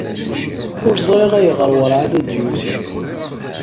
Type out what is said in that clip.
Ur ẓriɣ ayɣer werɛad ur d-yusi.